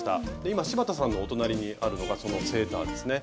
今柴田さんのお隣にあるのがそのセーターですね。